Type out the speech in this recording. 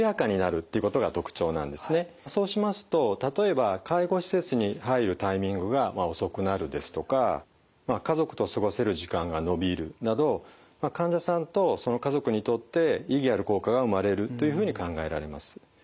そうしますと例えば介護施設に入るタイミングが遅くなるですとか家族と過ごせる時間が延びるなど患者さんとその家族にとって意義ある効果が生まれるというふうに考えられます。